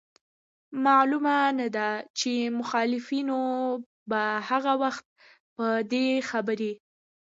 معلومه نه ده چي مخالفينو به هغه وخت په دې خبري